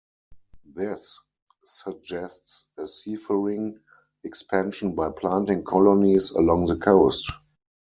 This suggests a seafaring expansion by planting colonies along the coast.